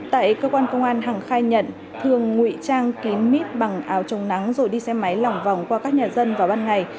tại cơ quan công an hằng khai nhận thường ngụy trang kín mít bằng áo chống nắng rồi đi xe máy lòng vòng qua các nhà dân vào ban ngày